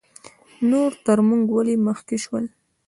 نور تر موږ ولې مخکې شول؟